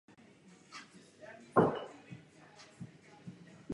Až do čtvrté série se kniha shoduje se seriálem.